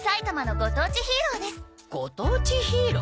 ご当地ヒーロー？